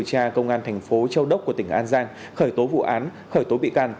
tra công an thành phố châu đốc của tỉnh an giang khởi tố vụ án khởi tố bị can